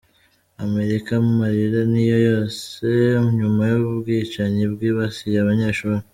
Amerika: Amarira ni yose nyuma y’ubwicanyi bwibasiye abanyeshuri